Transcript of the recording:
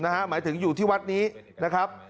หมายถึงอยู่ที่วัดนี้นะครับ